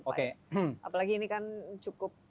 apalagi ini kan cukup